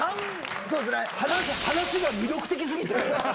話が魅力的過ぎて。